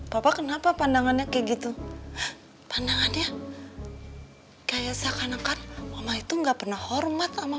bapak kenapa pandangannya kayak gitu pandangannya kayak seakan akan mama itu nggak pernah hormat sama